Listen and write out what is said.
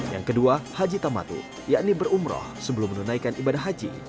yang kedua haji tamatu yakni berumroh sebelum menunaikan ibadah haji